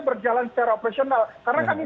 berjalan secara operasional karena kami